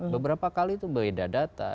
beberapa kali itu berbeda data